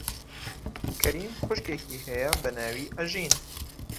کەریم خوشکێکی هەیە بە ناوی ئەژین.